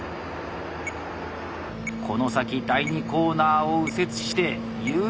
この先第２コーナーを右折して誘導路か？